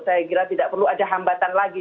saya kira tidak perlu ada hambatan lagi